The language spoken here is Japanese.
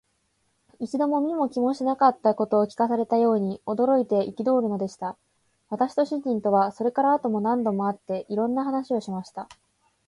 一度も見も聞きもしなかったことを聞かされたように、驚いて憤るのでした。私と主人とは、それから後も何度も会って、いろんな話をしました。